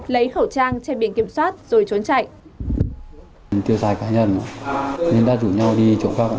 lấy khẩu trang che biển kiểm soát rồi trốn chạy